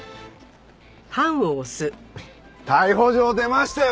逮捕状出ましたよ